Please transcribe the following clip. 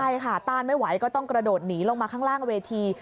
ใช่ค่ะต้านไม่ไหวก็ต้องกระโดดหนีลงมาข้างล่างเวที